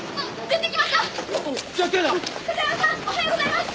片山さんおはようございます！